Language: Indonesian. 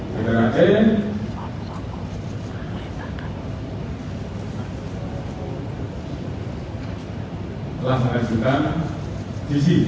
saudara s e telah menghasilkan visi